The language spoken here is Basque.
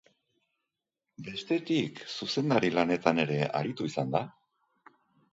Bestetik, zuzendari lanetan ere aritu izan da.